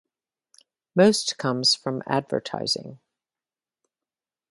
Most comes from advertising.